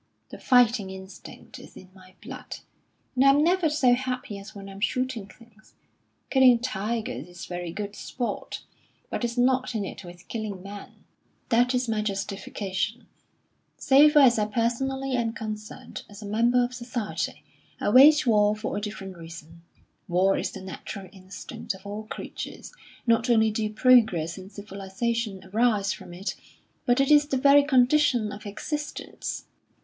The fighting instinct is in my blood, and I'm never so happy as when I'm shooting things. Killing tigers is very good sport, but it's not in it with killing men. That is my justification, so far as I personally am concerned. As a member of society, I wage war for a different reason. War is the natural instinct of all creatures; not only do progress and civilisation arise from it, but it is the very condition of existence.